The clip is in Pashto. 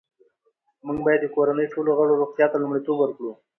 موږ باید د کورنۍ ټولو غړو روغتیا ته لومړیتوب ورکړو